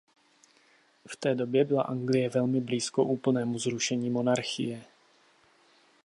V té době byla Anglie velmi blízko úplnému zrušení monarchie.